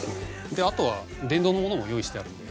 であとは電動のものも用意してあるんで。